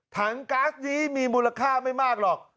ก๊าซนี้มีมูลค่าไม่มากหรอก